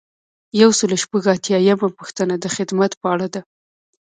یو سل او شپږ اتیایمه پوښتنه د خدمت په اړه ده.